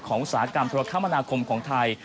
ของศาลกรรมธรรมนาคมของไทย